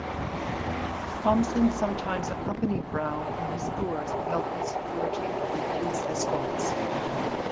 Thompson sometimes accompanied Brown on his tours to help with security and police escorts.